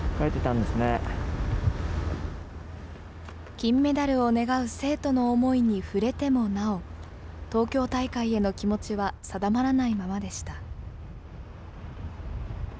金メダルを願う生徒の思いに触れてもなお、東京大会への気持ちは定まらないままでした。